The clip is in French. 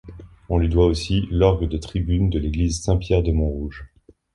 On lui doit aussi l'orgue de tribune de l'église Saint-Pierre-de-Montrouge.